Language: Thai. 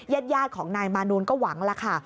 แยธยาติของนายมานูนก็หวังล่ะค่ะ